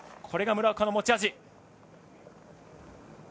これが村岡の持ち味。